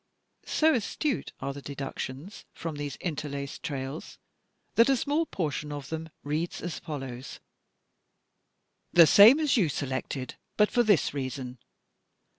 So astute are the deductions from these interlaced trails that a small portion of them reads as follows: "The same as you selected, but for this reason.